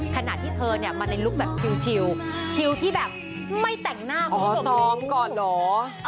ขนาดที่เธอเนี้ยมาในลุคแบบชิวชิวที่แบบไม่แต่งหน้าของสมมุติอ๋อซ้อมก่อนเหรอ